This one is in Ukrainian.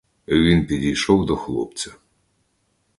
Він підійшов до хлопця.